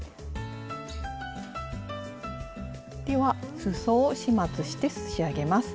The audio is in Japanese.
ではすそを始末して仕上げます。